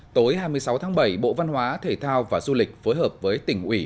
tối hai mươi sáu tháng bảy bộ văn hóa thể thao và du lịch phối hợp với tỉnh ủy